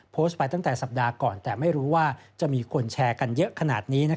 โพสต์ไปตั้งแต่สัปดาห์ก่อนแต่ไม่รู้ว่าจะมีคนแชร์กันเยอะขนาดนี้